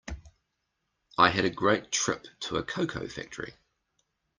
I had a great trip to a cocoa factory.